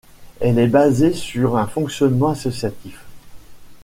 Elle est basée sur un fonctionnement associatif.